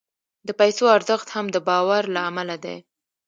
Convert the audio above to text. د پیسو ارزښت هم د باور له امله دی.